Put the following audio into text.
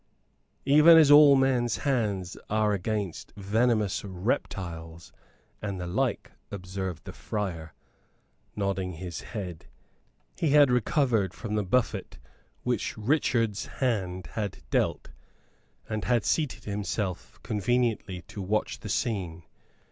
"Even as all men's hands are against venomous reptiles and the like," observed the friar, nodding his head. He had recovered from the buffet which Richard's hand had dealt, and had seated himself conveniently to watch the scene.